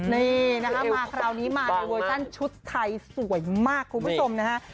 นี่นะคะมาคราวนี้มาในเวอร์ชั่นชุดไทยสวยมากคุณผู้ชมนะฮะ